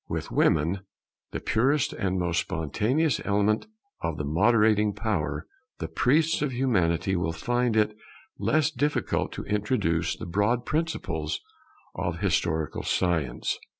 With women, the purest and most spontaneous element of the moderating power, the priests of Humanity will find it less difficult to introduce the broad principles of historical science.